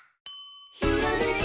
「ひらめき」